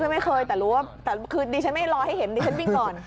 ไม่เคยแต่รู้ว่าแต่คือดิฉันไม่รอให้เห็นดิฉันวิ่งก่อน